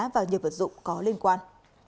và nhiều vật dụng có liên quan